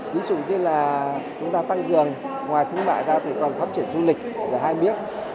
ví dụ như là chúng ta tăng trường ngoài thương mại ra thì còn phát triển du lịch giá hai miếng